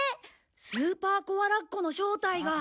スーパーコアラッコの正体が。